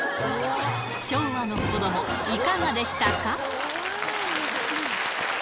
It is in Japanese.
昭和の子ども、いかがでしたか？